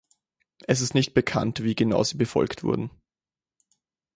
Es ist nicht bekannt, wie genau sie befolgt wurden.